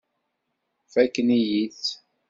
Fakken-iyi-tt.